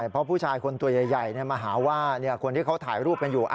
เพราะผู้ชายคนตัวใหญ่มาหาว่าคนที่เขาถ่ายรูปกันอยู่